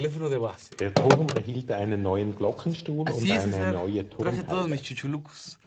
Der Turm erhielt einen neuen Glockenstuhl und eine neue Turmhaube.